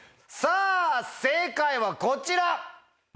さぁ正解はこちら！